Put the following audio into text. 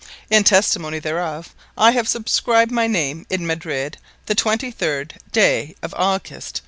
In testimony whereof, I have subscribed my Name, in Madrid the 23. day of August.